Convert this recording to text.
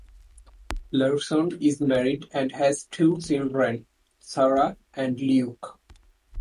Larson is married and has two children, Sarah and Luke.